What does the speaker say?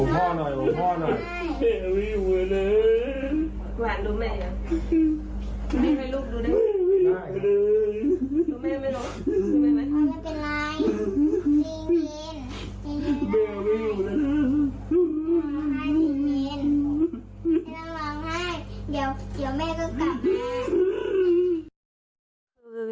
หนดแล้วร้องไห้เดี๋ยวแม่ก็กลับ